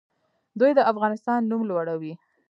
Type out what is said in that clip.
دوی د افغانستان نوم لوړوي.